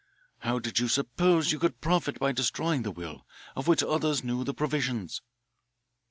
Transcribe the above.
How did you suppose you could profit by destroying the will, of which others knew the provisions?"